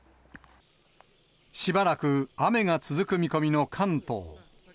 しばらく雨が続く見込みの関東。